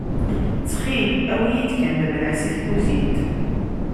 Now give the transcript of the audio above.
Ttxil, awi-yi-d kan lemleḥ si tkuzint.